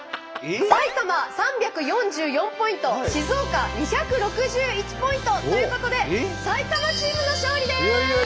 埼玉３４４ポイント静岡２６１ポイント！ということで埼玉チームの勝利です！